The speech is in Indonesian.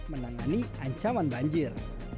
menangani ancaman banjir